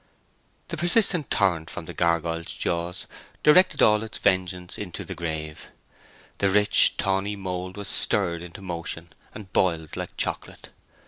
The persistent torrent from the gurgoyle's jaws directed all its vengeance into the grave. The rich tawny mould was stirred into motion, and boiled like chocolate.